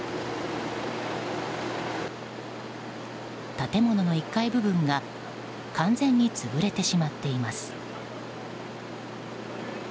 建物の１階部分が完全に潰れてしまっています。